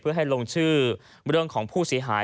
เพื่อให้ลงชื่อเรื่องของผู้เสียหาย